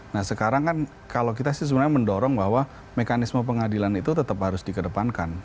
nah sekarang kan kalau kita sih sebenarnya mendorong bahwa mekanisme pengadilan itu tetap harus dikedepankan